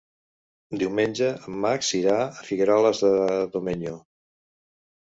Diumenge en Max irà a Figueroles de Domenyo.